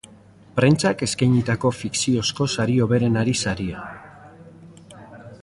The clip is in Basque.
Prentsak eskainitako fikziozko sari hoberenari saria.